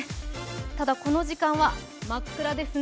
ただ、この時間は真っ暗ですね。